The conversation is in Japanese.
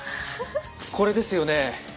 これですよね。